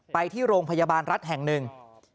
ไปที่โรงพยาบาลรัฐแห่งหนึ่ง